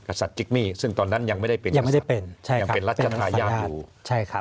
กษัตริย์จิกมี่ซึ่งตอนนั้นยังไม่ได้เป็นรัฐจันทรายาทอยู่